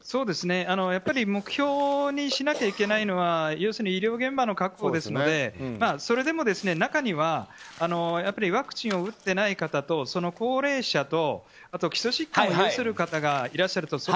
やっぱり目標にしなきゃいけないのは要するに医療現場の確保ですのでそれでも中には、やっぱりワクチンを打ってない方と高齢者と基礎疾患を有する人がいらっしゃると。